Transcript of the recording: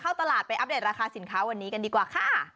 เข้าตลาดไปอัปเดตราคาสินค้าวันนี้กันดีกว่าค่ะ